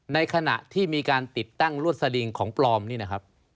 ในขณะที่มีการติดตั้งรวดสดิงของปลอมนี่นะครับ